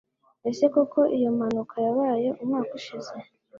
Ese koko iyo mpanuka yabaye umwaka ushize?